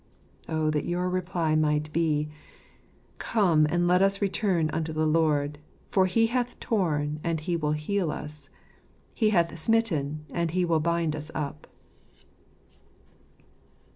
Oh that your reply might be !—" Come, and let us return unto the Lord ; for He hath tom, and He will heal us ; He hath smitten, and He will bind us up."